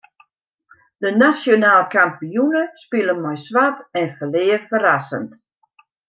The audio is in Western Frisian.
De nasjonaal kampioene spile mei swart en ferlear ferrassend.